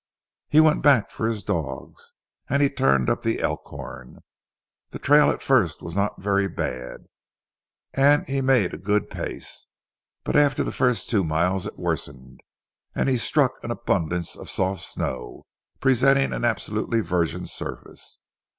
He went back for his dogs, and turned up the Elkhorn. The trail at first was not very bad, and he made a good pace; but after the first two miles it worsened, and he struck an abundance of soft snow, presenting an absolutely virgin surface.